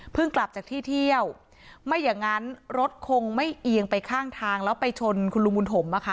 กลับจากที่เที่ยวไม่อย่างนั้นรถคงไม่เอียงไปข้างทางแล้วไปชนคุณลุงบุญถมนะคะ